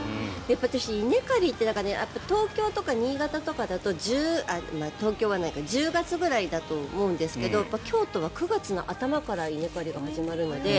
私、稲刈りって東京とか新潟とかだと東京はないか、１０月ぐらいだと思うんですけど京都は９月の頭から稲刈りが始まるので。